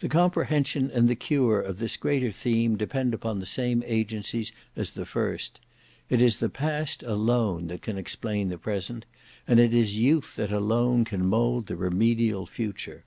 The comprehension and the cure of this greater theme depend upon the same agencies as the first: it is the past alone that can explain the present, and it is youth that alone can mould the remedial future.